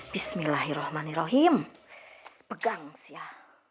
bismillahirrohmanirrohim pegang sya